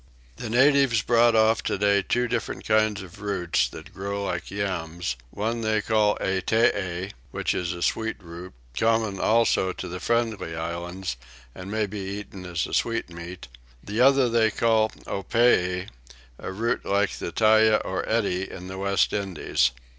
The natives brought off today two different kinds of roots that grow like yams: one they call Ettee, which is a sweet root, common also to the Friendly Islands, and may be eaten as a sweetmeat: the other they call Appay, a root like the Tyah or Eddie in the West Indies.